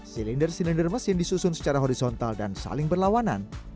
silinder silinder mesin disusun secara horizontal dan saling berlawanan